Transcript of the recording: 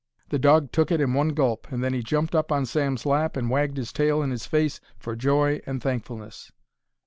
The dog took it in one gulp, and then he jumped up on Sam's lap and wagged his tail in 'is face for joy and thankfulness.